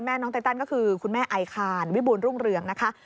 น้องไตตันก็คือคุณแม่ไอคานวิบูรณรุ่งเรืองนะคะ